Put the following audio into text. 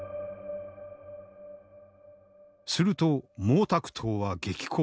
すると毛沢東は激高。